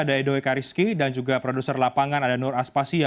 ada edo ekariski dan juga produser lapangan ada nur aspasya